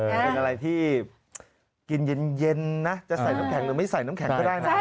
เป็นอะไรที่กินเย็นนะจะใส่น้ำแข็งหรือไม่ใส่น้ำแข็งก็ได้นะ